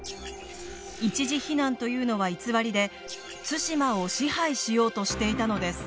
一時避難というのは偽りで対馬を支配しようとしていたのです。